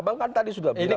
abang kan tadi sudah bilang